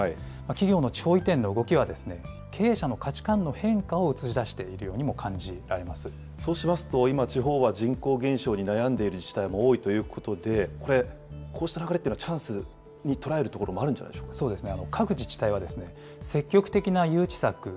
企業の地方移転の動きは、経営者の価値観の変化を映し出しているというふうにも感じられまそうしますと、今、地方は人口減少に悩んでいる自治体も多いということで、こうした流れというのはチャンスに捉えるということもあるんじゃないでしそうですね。